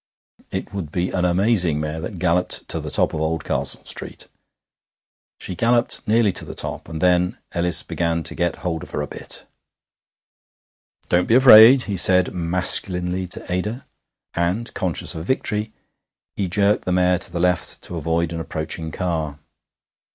It would be an amazing mare that galloped to the top of Oldcastle Street! She galloped nearly to the top, and then Ellis began to get hold of her a bit. 'Don't be afraid,' he said masculinely to Ada. And, conscious of victory, he jerked the mare to the left to avoid an approaching car....